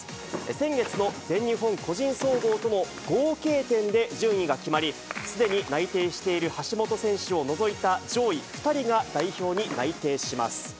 先月の全日本個人総合との合計点で順位が決まり、すでに内定している橋本選手を除いた上位２人が代表に内定します。